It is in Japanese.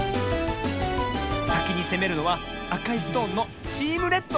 さきにせめるのはあかいストーンのチームレッド。